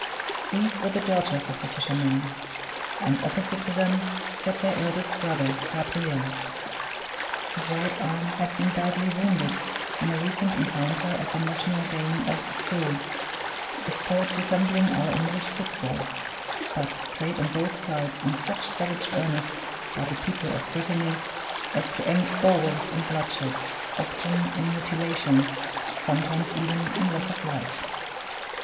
These were the daughters of the fisherman; and opposite to them sat their eldest brother, Gabriel. His right arm had been badly wounded in a recent encounter at the national game of the Soule, a sport resembling our English foot ball; but played on both sides in such savage earnest by the people of Brittany as to end always in bloodshed, often in mutilation, sometimes even in loss of life.